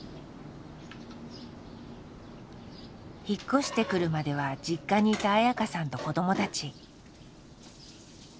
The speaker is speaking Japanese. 引っ越してくるまでは実家にいた綾香さんと子どもたち。